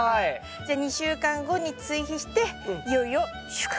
じゃあ２週間後に追肥していよいよ収穫。